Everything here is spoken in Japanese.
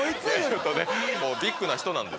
ビッグな人なんです。